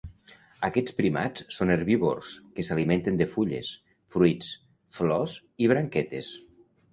Aquests primats són herbívors que s'alimenten de fulles, fruits, flors i branquetes.